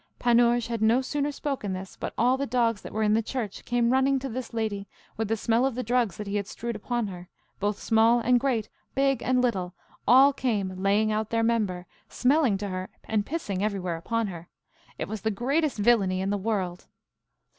Panurge had no sooner spoke this but all the dogs that were in the church came running to this lady with the smell of the drugs that he had strewed upon her, both small and great, big and little, all came, laying out their member, smelling to her, and pissing everywhere upon her it was the greatest villainy in the world.